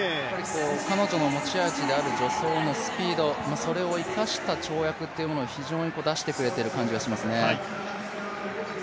彼女の持ち味である助走のスピードを生かした跳躍というものを非常に出してくれている感じがしますね。